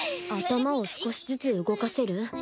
頭を少しずつ動かせる？